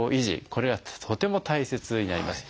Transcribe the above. これはとても大切になります。